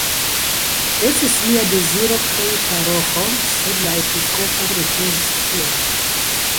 Estis lia deziro krei paroĥon, sed la episkopo rifuzis tion.